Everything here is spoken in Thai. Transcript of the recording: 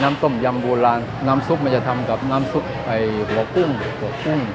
น้ำส้มยำโบราณน้ำซุปมันจะทำกับน้ำซุปหลอกตึ้ง